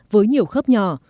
với nhiều khớp nhỏ